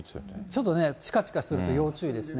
ちょっとね、ちかちかすると要注意ですね。